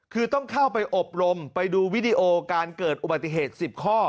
คือต้องเข้าไปอบรมไปดูวิดีโอการเกิดอุบัติเหตุ๑๐ข้อ